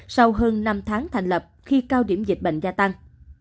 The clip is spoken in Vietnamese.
sau hơn năm tháng thành lập khi cao điểm dịch bệnh gia tăng